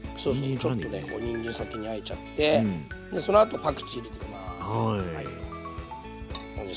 ちょっとねにんじん先にあえちゃってそのあとパクチー入れていきます。